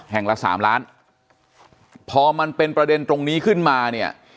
ละสามล้านพอมันเป็นประเด็นตรงนี้ขึ้นมาเนี่ย